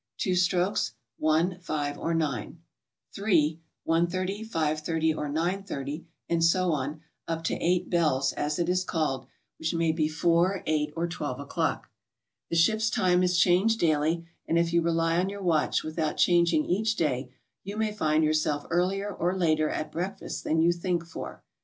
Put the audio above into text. Two strokes: i, 5, or 9. Three, 1.30, 5.30, or 9.30; and so on, up to "eight bells," as it is called, which may be 4, 8 or 12 o'clock. The ship's time is changed daily, and if you rely on your watch without changing each day, you may find yourself earlier or later at breakfast than you think for.